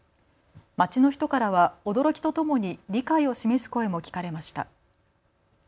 街の人からは驚きとともに理解を示す声も聞かれました。